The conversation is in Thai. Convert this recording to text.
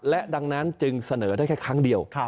และดังนั้นจึงเสนอได้แค่ครั้งเดียว